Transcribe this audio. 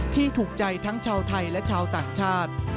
ทั้งชาวไทยและชาวต่างชาติ